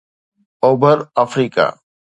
اوڀر آفريڪا